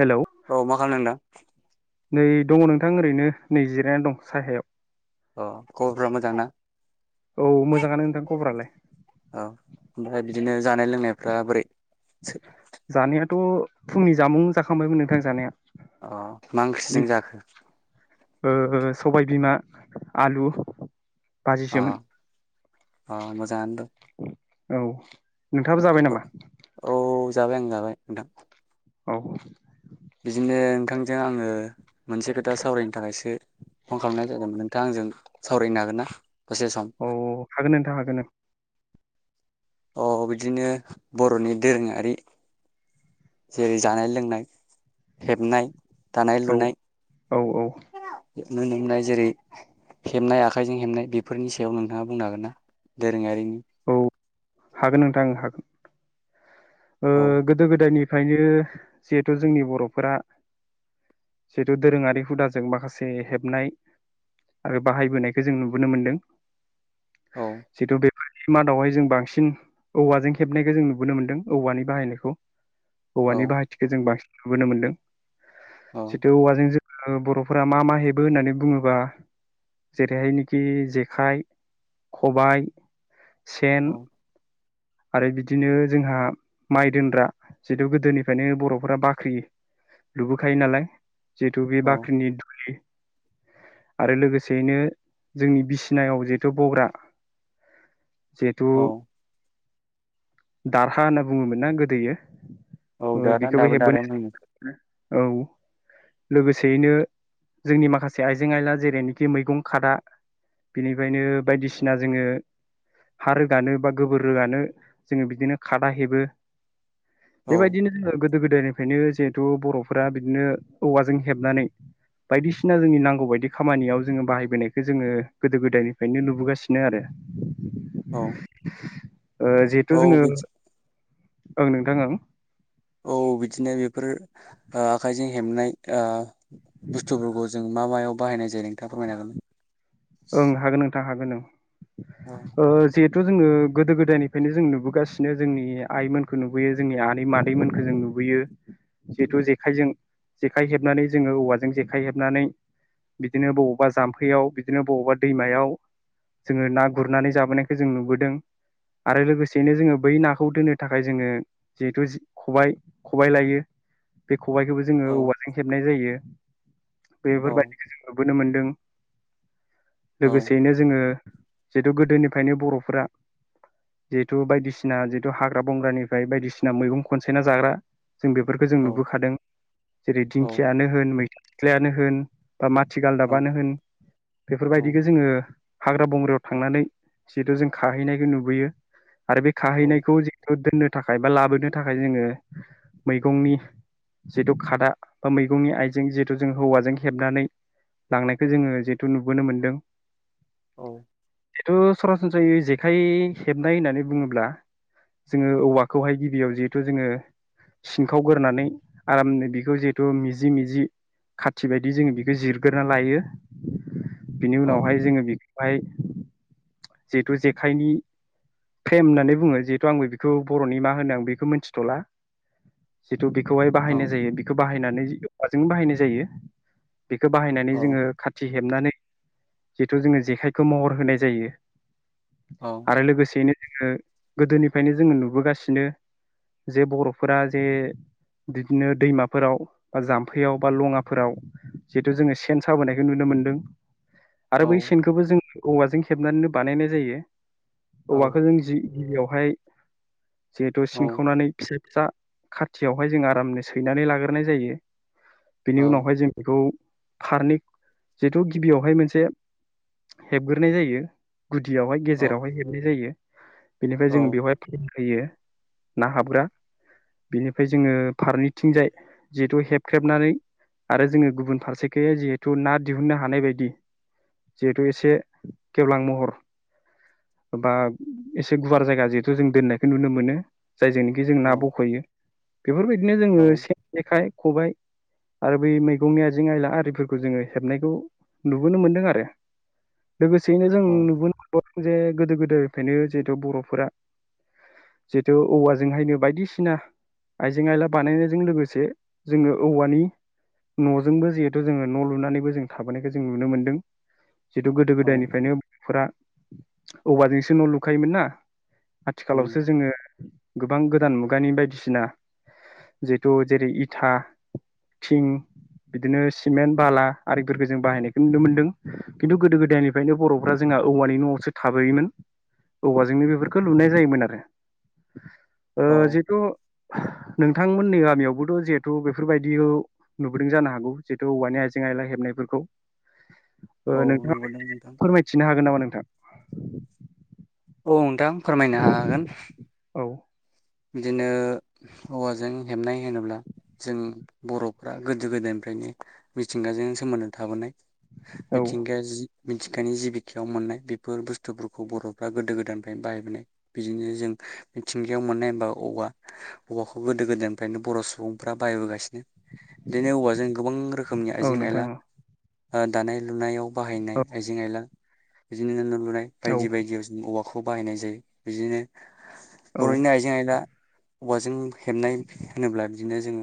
Hello औ मा खालामदों नों ‌दा? नै दङ नोंथां ओरैनो नै जिरायनो दं सायहायाव। औ खबरफ्रा मोजां ना? औ मोजाङानो नोंथां खबरालाय औ ओमफ्राय बिदिनो जानाय लोंनाय फ्रा बोरै? [inaudible] थ फुंनि जामुं जाखांबायमोन नोंथां जानाया? अ मा ओंख्रिजों जाखो? ओ‌ सबाय बिमा आलु। अ बाजिसोमोन अ मोजांआनो दं। औ। नोंथाङाबो जाबाय नामा? औ जाबाय आं जाबाय नोंथां औ बिदिनो नोंथांजों आङो मोनसे खोथा सावरायनो थाखायसो फन खालामनाय जादोंमोन नोंथाङा आंजों सावरायनो हागोन ना? दसे सम? औ हागोन नोंथां हागोन ओं अ बिदिनो बर'नि दोरोङारि जेरै जानाय लोंनाय हेबनाय दानाय औ औ औ नुनो मोननाय जेरै- हेबनाय आखाइजों हेबनाय बेफोरनि सायाव नोंथाङा बुंनो हागोन ना दोरोङारिनि? [inaudible] औ हागोन नोंथां हागोन। ओ औ गोदो गोदायनि बेखायनो जिहेथु जोंनि बर'फोरा जिहेथु दोरोङारि हुदाजों माखासे हेबनाय आरो बाहायबोनायखौ जों नुबोनो मोनदों। औ जिथु बे मादावहाय जों बांसिन औवाजों हेबनायखौ जों नुबोनो मोन्दों। औवानि बाहायनायखौ औ औवानि बाहायथिखो जों बांसिन नुबोनो मोनदों। औ जिथु औवाजों जोङो बर'फोरा मा मा हेबो होननानै बुङोबा जेरैहायनोखि जेखाइ खबाइ सेन औ आरो बिदिनो जोंहा माइ दोनग्रा जिथु गोदोनिफ्रायनो बर'फोरा बाख्रि लुबोखायो नालाय जिथु बे औ बाख्रिनि दुलि आरो लोगोसेयैनो जोंनि बिसिनायाव जिहेथु बग्रा जिहेथु औ दारहा होनना बुङोमोनना गोदोयो औ दाना बेखौबो दाबो हेबबोनाय दानायानो दं औ लोगोसेयैनो जोंनि माखासे आइजें आइला जेरैनोखि मैगं खादा बेनिफ्रायनो बायदिसिना जोङो हा रोगानो बा गोबोर रोगानो जोङो बिदिनो खादा हेबो औ बेबायदिनो जोङो गोदो गोदायनिफ्रायनो जिहेथु बर'फोरा बिदिनो औवाजों हेबनानै बायदिसिना जोंनि नांगौ बायदि खामानियाव जोङो बाहायबोनायखौ जोङो गोदो गोदायनिफ्रायनो नुबोगासिनो आरो। औ ओ औ थ' जोङो बिदि ओं नोंथां ओं औ बिदिनो बेफोर ओ आखाइजों हेबनाय ओ बुस्थुफोरखौ जों मा मायाव बाहायनाय जायो नोंथाङा फोरमायनो हागोनना? ओं हागोन नोंथां हागोन ओं [inaudible] ओ जे थु जोङो गोदो गोदायनिफ्रायनो जों नुबोगासिनो जोंनि आइमोनखौ नुबोयो जोंनि आनै मादैमोनखौ जों नुबोयो जिहेथु जेखायजों जेखाइ हेबनानै जोङो औवाजों जेखाइ हेबनानै बिदिनो बबावबा जामफैयाव बिदिनो बबावबा दैमायाव जोङो ना गुरनानै जाबोनायखौ जों नुबोदों आरो लोगोसेैनो जोङो बै नाखौ दोन्नो थाखाय जोङो जिहेथु खबाइ खबाइ लायो बे खबाइखौबो जोङो औ औवाजों हेबनाय जायो। औ बेफोरबायदिखो जों नुबोनो मोन्दों औ लोगोसेयैनो जोङो जिहेथु गोदोनिफ्रायनो बरफोरा जिहेथु बायदिसिना जिथु हाग्रा बंग्रानिफ्राय बायदिसिना मैगं खनसायना जाग्रा जों बेफोरखौ जों औ नुबोखादों। जेरै औ दिंखियानो होन मैथा सिख्लायानो होन बा माथि औ गालदाबानो होन औ बेफोरबायदिखौ जोङो हाग्रा बंग्रायाव थांनानै जिहेथु जों खाहैनायखौ नुबोयो। आरो बे औ खाहैनायखौ जिहेथु दोन्नो थाखाय बा लाबोनो थाखाय जोङो मैगंनि जिथु खादा बा मैगंनि आइजें जिथु जों हौवाजों हेबनानै लांनायखौ जोङो थ नुबोनो मोन्दों औ। जिथु सरासनस्रायै जेखाइ हेबनाय होन्नानै बुङोब्ला जोङो औवाखौहाय गिबियाव जिहेथु जोङो सिनखावगोरनानै आरामनो बेखौ जिहेथु मिजि मिजि खाथि बायदि जोङो बेखौ जिरगोरना लायो। बिनि औ उनावहाय जोङो बि माय जिहेथु जेखाइनि फ्रेम होन्नानै बुङो जिहेथु आंबो बेखौ बर'नि मा होनो आं बेखौ मिथिथला थ बेखौहाय औ बाहायनाय जायो बेखौ बाहायनानै माजों बाहायनाय जायो बेखौ बाहायनानै औ जोङो खाथि हेबनानै जिथु जोङो जेखायखौ महर होनाय जायो। औ आरो लोगोसेनो जोङो गोदोनिफ्रायनो जोङो नुबोगासिनो जे बर'फोरा जे बिदिनो दैमाफोराव बा जाम्फैयाव बा लङाफोराव जिहेतु जोङो सेन साबोनाय नुनो मोन्दों। आरो औ बै सेनखौबो जों औवाजों हेबनानैनो बानायनाय जायो। औ औवाखौ जों जि गिबियावहाय जिहेथु सिंखावनानै फिसा फिसा खाथियावहाय जों आरामनो सैनानै लागोरनाय जायो। बेनि उनावहाय जों बेखौ फार्निक जिहेथु गिबियावहाय मोनसे हेबग्रोनाय जायो। गुदियावहाय गेजेरावहाय हेबनाय जायो बेनिफ्राय जोंङो बेवहाय प्लेन खायो। ना हाबग्रा बेनिफ्राय जोङो फारनैथिंजाय जिहेथु हेबख्रेबनानै आरो जोङो गुबुन फारसेखै जिहेतु थु ना दिहुननो हानाय बायदि जिहेथु एसे गेवलां महर बा एसे गुवार जायगा जिहेथु जों दोननायखौ नुनो मोनो। जायजोंनोखि जों ना औ बखयो बेफोरबायदिनो जोङो सेन जेखाइ खबाइ। आरो बै मैगंनि आजें आइला आरिफोर जोङो हेबनायखौ नुबोनो मोन्दों आरो लोगोसेयैनो जों औ नुबो [unintelligible] जे गोदो गोदोफ्रायनो जिहेथु बरफोरा जिहेतु औवाजों हायनो बायदिसिना आइजें आयला बानायनायजों लोगोसे जोङो औवानि न जोंबो जिहेतु जोङो न लुनानैबो जों थाबोनायखौ जों नुनो मोनदों। जिहेतु गोदो औ गोदाय निफ्रायनो फोरा औवा जोंसो न लुखायोमोन ना? आथिखालावसो उम जोङो गोब बां गोदान मुगानि बायदिसिना जिहेथु जेरै इथा, थिं बिदिनो सि सिमेन्ट बाला आरि फोरखौ जों बाहायनायखौ नुनो मोनदों खिन्थु गोदो गोदायनिफ्रायनो बरफ्रा जोंहा औवानि न आवसो थाबोयोमोन औवाजोंनो बेफोरखौ लुनाय जायोमोन आरो ओ औ जिहेतु नोंथां मोननि गामियावबोथ जिहेथु बेफोरबायदिखौ नुबोदों जानो हागौ। जिहेथु औवानि आइजें आयला हेबनायफोरखौ। ओ औ नोंथाङा नंगौ [unintelligible] नोंथां फोरमायथिनो हागोन नामा नोंथां? औ नोथां फोरमायनो हागोन। औ बिदिनो औवाजों हेबनाय होनोब्ला जों बरफ्रा गोदो गोदायनि फ्रायनो मिथिंगाजों सोमोन्दो थाबोनाय। औ मिथिंगाया जि मिथिंगानि जि बिखायाव मोननाय बेफोर बुस्थुफोरखौ बरफ्रा गोदो गोदायनिफ्रायनो बाहायबोनाय बिदिनो जों मिथिंगायाव मोननाय। बा औवा औवाखौ गोदो गोदायनिफ्रायनो बर सुबुंफोरा बायहाय बोगासिन इदिनो औवाजों गोबां रोखोमनि औ आइजें आयला। नोंथां ओ दानाय लुनायाव बाहायनाय औ आइजें आइला बिदिनि नों लुनाय औ बायदि बायदियाव जों औवाख खौ बाहायनाय जायो बिदिनो औ बरनि आइजें आइ औवाजों हेबनाय होनोब्ला बिदिनो जोङो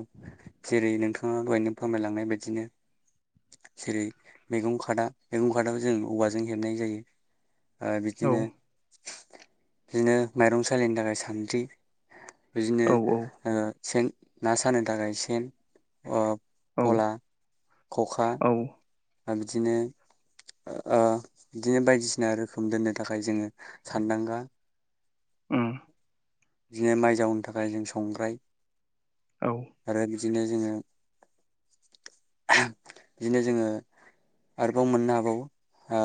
जेरै नोंथाङा दहायनो फोरमायलांनाय बायदिनो जेरै मैगं खादा मैगं खादाखौ जों औवाजों हेबनाय जायो। ओ औ बिदिनो बिदिनो माइरं सलिनोथाखाय सान्द्रि बिदिनो औ ओ सेन ना सानो थाखाय सेन ओ औ पला, खखा औ बिदिनो ओ ओ बिदिनो बायदिसिना रोखोम दोननो थाखाय जोङो सानदांगा उम [inaudible] बिदिनो माइ जावनो थाखाय जों संग्राय औ। दिनो जोङो [unintelligible] बिदिनो जोङो आरोबाव मोननो हाबावो ओ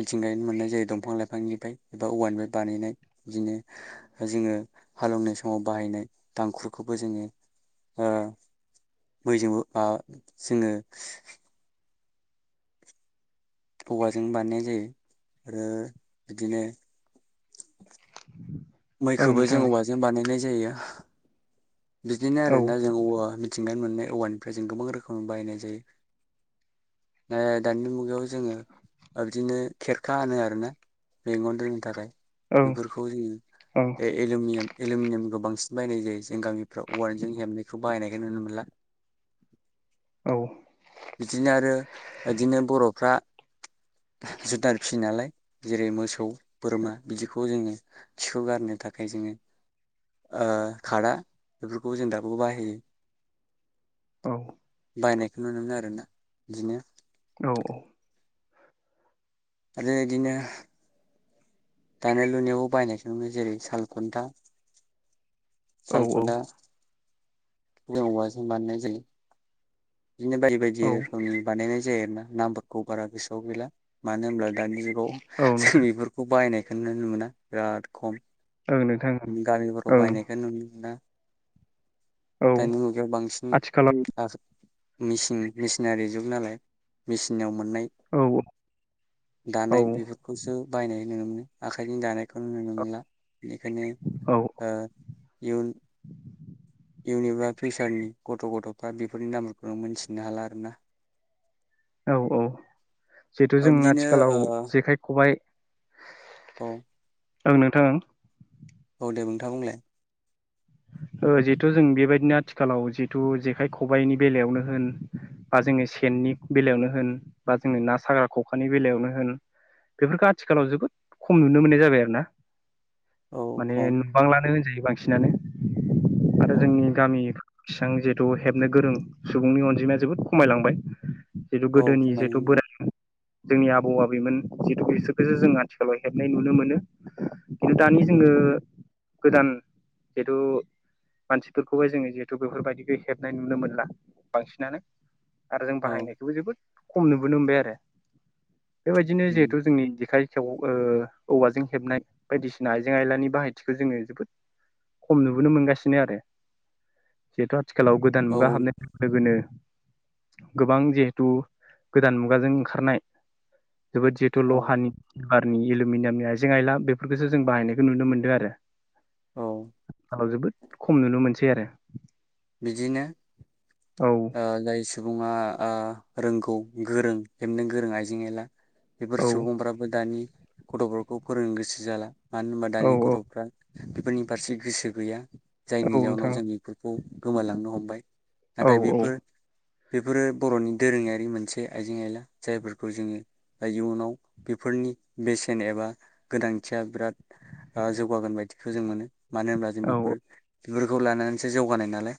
मिथिंगाय मोननाय जायो दंफां लाइफांनिफ्राय बा औवानि बानायनाय बिदिनो जोङो हालेवनाय समाव बाहायनाय दांखुरखौबो जोङो ओ मैजोंबो ओ जोङो ओवाजों बाननाय जायो ओ बिदिनो ओं मैखोबो नोंथां जों औवाजों बानायनाय जायो। बिदिनो आरो औ ओं ना जों औवा मिथिंगानि मोननाय। औवानिफाय जों गोबां रोखोम बायनाय जायो ओ दानि मुग बेयाव जोङो ओदिनो खेरखा होनो आरोना मंगन दोननो थाखाय ओं बेफोरखौ जोङो औ ए-एलमिनियाम एलुमिनियामखौ बांसिन बायनाय जायो जों गामिआव। फ्राव वाजों हेबनायखौ बाहायनायखौ नुनो मोनला। औ बिदिनो आरो इदिनो बर'फ्रा जुनार फिसियो नालाय जेरै मोसौ बोरमा बिदिखौ जोङो खिखौ गारनो थाखाय जोङो ओ खादा बेफोरखौबो जों दाबबो बाहायो। औ। बायनायखौ नुनो मोनो आरोना बिदनो। औ औ। आरो इदिनो दानाय लुनायावबो बायनायखौ नुनो मोनो जेरै सालखुन्था, औ औ सालखुनथा [unintelligible] औवा जों बानायनाय जायो। बिदिनो बायदि बायदि औ रोखोमनि बानायनाय ज जायोआरोना नामबारखौ बारा गोसोआव गैला मानो होनब्ला दानि जुगाव औ जों नोंथां बेफोरखौ बायनाय खौनो मोना बिराद खम। ओं नोंथां गामिफोराव ओं बायनायखौ नुनो मोना। औ दानि मुगायाव बांसिनै आथिखालाव आ मिसिन मिसिनारि जुग नालाय मेसिनाव मोननाय औ औ दानाय बेफोरखौसो बायनाय नुनो मोनो। आखाइजों दानायखौ नुनो नो मोला बेनिखायनो औ ओ इयुन इउन एबा फिउसारनि गथ' गथफ्रा बेफोरनि नामफोरखौ मोनथिनो हाला आर ना। औ औ जिहेथु ओ जों बिदिनो ओ आथिखालाव जेखाइ खबाइ औ ओं नोंथां औ दे नोंथाङा बुंलाय। ओ जिहेथु जों बेबायदिनो आथिखालाव जिथु जेखाइ खबाइनि बेलायावनो होन बा जोङो सेननि बेलायावनो होन बा जोङो ना साग्रा खखानि बेलायावनो होन बेफोरखो आथिखालाव जोबोद खम नुनो मोननाय जाबाय आरो ना। औ माने खम नुबबांलानो होनजायो बांसिनानो। आरो औ जोंनि गामि एसां जिहेतु हेबनो गोरों सुबुंनि अनजिमाया जोबोद खमायलांबाय। जिथु औ गोदोनि जिथु खमायलांबाय बोरा जोंनि आबौ आबैमोन जितु बिसोरखौसो जों आथिखालाव हेबनाय नुनो मोनो। खिन्थु दानि जोङो औ गोदान जिहेतु मानसिफोरखौहाय जोङो जिहेतु बेफोरबायदिखौ हेबनाय नुनो मोनला बांसिनानो। आरो जों औ बाहायनायखौबो जोबोद खम नुबोनो मोनबाय आरो बेबायदिनो उम जिहेथु जोंनि जेखाय खौ ओ औवाजों हेबनाय बायदिसिना आइजें आयलानि बाहायथिखौ जोङो जोबोद खम नुबोनो मोनगासिनो आरो जिहेथु आथिखालाव गोदान औ मुगा हाबनाय [unintelligible] लोगोनो गोबां जिहेथु गोदान मुगाजों ओंखारनाय जोबोद जिहेथु औ लहानि टारनि एलमिनियामनि आइजें आयला बेफोरखौसो जों बाहायनायखौ नुनो मोनदों आरो औ खालाव जोबोद खम नुनो मोनसै आरो बिदिनो औ ओ जाय सुबुङा ओ रोंगौ गोरों हेबनो गोरों आइजें आइला बेफोर औ सुबुंफ्राबो दानि गथफोरखौ फोरोंनो गोसो जाला मानो होनबा दानि औ गथफ्रा बेफोरनि फारसे गोसो गैया। औ जायनि जाउनाव नोंथां जों इफोरखौ गोमालांनो हमबाय। औ नाथाय औ बेफोर बेफोरो बरनि दोरोङारि मोनसे आइजें आयला जायफोरखौ जोङो ओ इयुनाव बेफोरनि बेसेन एबा गोनांथिया बिराद ओ जौगागोन बायदिखौ जों मोनो। मानो होनब्ला जों औ बिफोर बिफोरखौ लानानैसो जौगानाय नालाय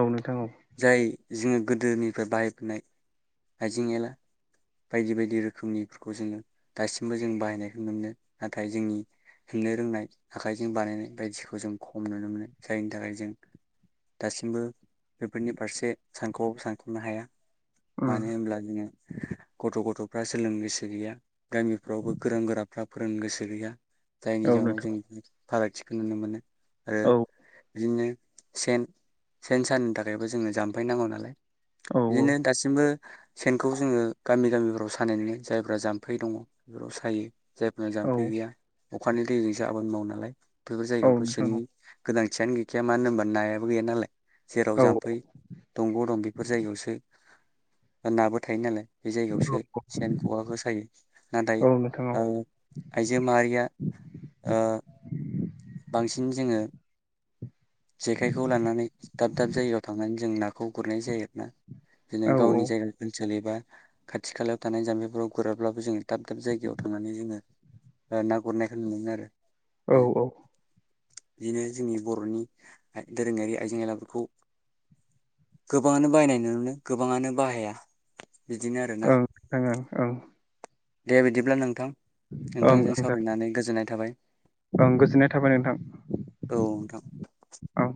औ नोंथां औ। जाय जोङो गोदोनिफ्राय बाहायबोनाय आइजें एला बायदि बायदि रोखोमनिफोरखौ जोङो दासिमबो जों बाहायनायखौ नुनो मोनो नाथाय जोंनि खुंनो रोंनाय आखाइजों बानायनाय बायदिखौ जों खम नुनो मोनो जायनि थाखाय जों दासिमबो बेफोरनि फारसे सानखबाबो सानखनो हाया। उम मानो हमब्ला जोङो गथ' गथ'फोरा सोलोंनो गोसो गैया गामिफ्रावबो गोरों गोराफ्रा फोरोंनो गोसो गैया। जायनि औ जाहोनाव नोंथां जों फारागथिखौ नुनो मोनो। आरो औ बिदिनो सेन सेन सानो थाखायबो जोंनो जाम्फै नांगौ नालाय औ बिदिनो दासिम ओ सेनखौ जोङो गामि गामिफोराव सानाय नुयो जायफ्रा जाम्फै दङ बेफोराव सायो। जायफोरना औ जामफै गैया अखानि दैजों सो आबाद मावो नालाय बेफोर औ जायगायावथ नोंथां सेननि गोनां सेन गैखाया मानो होनोमा नायाबो गैया नालाय। जेराव औ औ जाम्फै दंग दं बेफोर जायगायावसो नाबो थायो नालाय। बे जायगायावसो सेन खखाखौ सायो नाथाय औ नोंथां औ ओ आइजो माहारिया ओ बांसिन जोङो जेखाइखौ लानानै दाब दाब जायगायाव थांनानै जों नाखौ गुरनाय जायो आरोना। बिदिनो औ गावनि जायगा ओनसोल एबा खाथि खालायाव थानाय जाम्बिफोराव गुराब्लाबो जोङो दाब दाब जायगायाव थांनानै जोङो ओ ना गुरनायखौ नुयोमोन आरो। औ औ। बिदिनो जोंनि बर'नि आइ दोरोङारि आइजें आयलाफोरखौ गोबाङानो बायनाय नुनो मोनो गोबाङानो बाहाया बिदिनो आरोना ओं दे बिदिब्ला नोंथां। नोंथां ओं नोंथांजों सावरायनानै गोजोननाय थाबाय। ओं गोजोननाय थाबाय नोंथां औ नोंथां औ